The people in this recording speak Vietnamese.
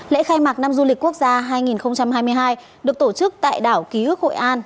lễ khai mạc năm du lịch quốc gia hai nghìn hai mươi hai được tổ chức tại đảo ký ức hội an